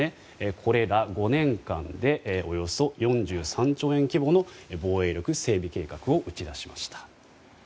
これら５年間でおよそ４３兆円規模の防衛力整備計画を打ち出しました。